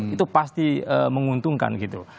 itu pasti menguntungkan gitu